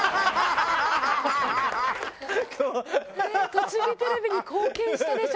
「とちぎテレビに貢献したで賞」。